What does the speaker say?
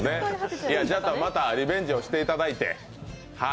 じゃ、またリベンジをしていただいて。